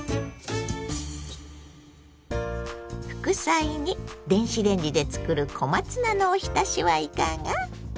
副菜に電子レンジで作る小松菜のおひたしはいかが。